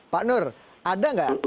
pak nur ada enggak